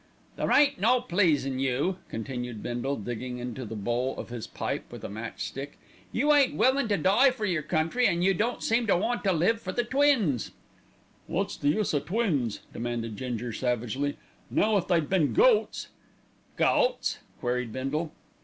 "There ain't no pleasin' you," continued Bindle, digging into the bowl of his pipe with a match stick. "You ain't willin' to die for your country, an' you don't seem to want to live for the twins." "Wot's the use o' twins?" demanded Ginger savagely. "Now if they'd been goats " "Goats!" queried Bindle.